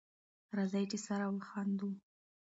راځی چی سره وخاندو